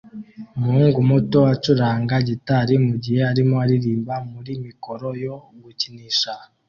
Umuhungu muto acuranga gitari mugihe arimo aririmba muri mikoro yo gukinisha